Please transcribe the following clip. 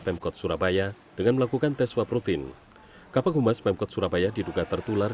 pemkot surabaya dengan melakukan tes waprutin kapal guma spam code surabaya diduga tertular